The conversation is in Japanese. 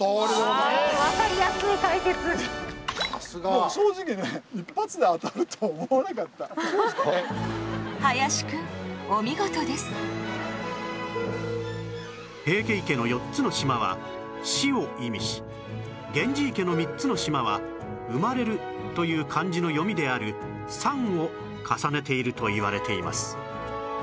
もう正直ね平家池の４つの島は死を意味し源氏池の３つの島は「産まれる」という漢字の読みである「産」を重ねているといわれています